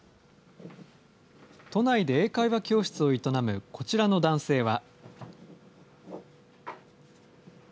都内で英会話教室を営むこちらの男性は。